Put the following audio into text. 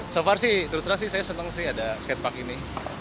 so far sih terus terang sih saya senang sih ada skatepark ini